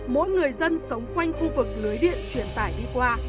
mỗi người dân sống quanh khu vực lưới điện truyền tải đi qua